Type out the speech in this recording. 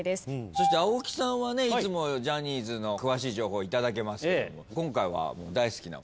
そして青木さんはねいつもジャニーズの詳しい情報頂けますけども今回は大好きな。